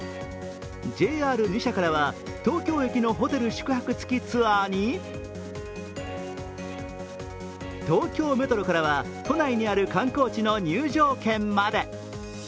ＪＲ２社からは、東京駅のホテル宿泊付きツアーに東京メトロからは都内にある観光地の入場券まで。